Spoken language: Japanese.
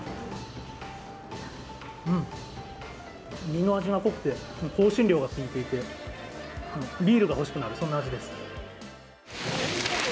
身の味が濃くて香辛料がきいていてビールが欲しくなる、そんな味です